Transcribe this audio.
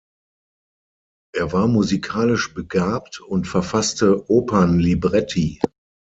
Er war musikalisch begabt und verfasste Opernlibretti.